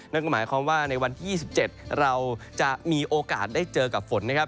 นั่นก็หมายความว่าในวันที่๒๗เราจะมีโอกาสได้เจอกับฝนนะครับ